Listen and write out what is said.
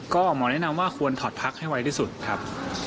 ก็หมอแนะนำว่าควรถอดพักให้ไวที่สุดครับ